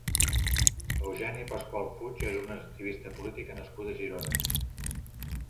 Eugènia Pascual Puig és una activista política nascuda a Girona.